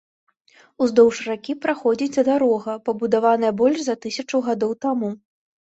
Уздоўж ракі праходзіць дарога, пабудаваная больш за тысячу гадоў таму.